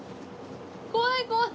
怖い怖い。